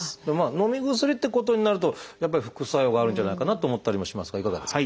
のみ薬ってことになるとやっぱり副作用があるんじゃないかなと思ったりもしますがいかがですか？